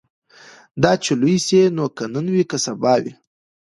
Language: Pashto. دا چي لوی سي نو که نن وي که سبا وي